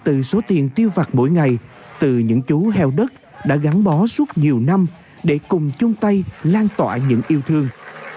từ số tiền tiêu vặt mỗi ngày từ những chú heo đất đã gắn bó suốt nhiều năm để cùng chung tay lan tỏa những yêu thương